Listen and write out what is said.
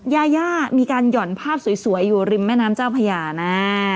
ยาย่ามีการหย่อนภาพสวยอยู่ริมแม่น้ำเจ้าพญานะ